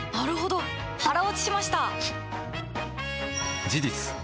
腹落ちしました！